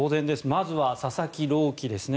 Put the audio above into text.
まずは佐々木朗希ですね。